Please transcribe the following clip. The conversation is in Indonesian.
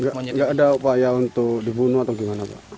tidak ada upaya untuk dibunuh atau bagaimana